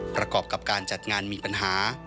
ประกอบกับการจัดงานมีปัญหา